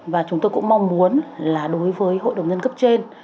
và chúng tôi cũng mong muốn là đối với hội đồng nhân cấp trên